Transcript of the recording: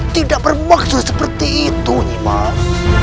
tidak bermaksud seperti itu nimas